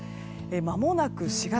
まもなく４月。